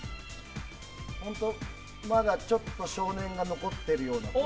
まだちょっと少年が残ってるような感じ。